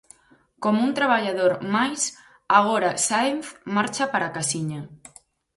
Como un traballador máis Agora Sáenz marcha para casiña.